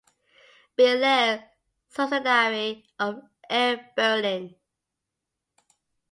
Belair subsidiary of Air Berlin.